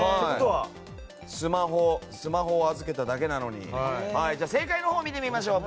「スマホを預けただけなのに」。正解のほうを見てみましょう。